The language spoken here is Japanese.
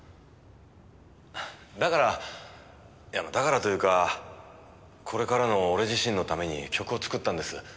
だからいやだからというかこれからの俺自身のために曲を作ったんです。